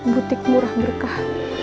butik murah berkah